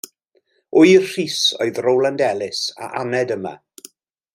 Ŵyr Rhys oedd Rowland Ellis a aned yma.